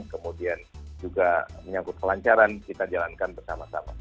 kemudian juga menyangkut kelancaran kita jalankan bersama sama